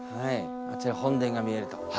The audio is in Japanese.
あちら本殿が見えると。